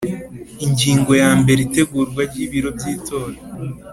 Ingingo ya mbere Itegurwa ry ibiro by itora